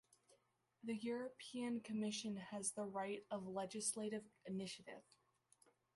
The European Commission has the right of legislative initiative.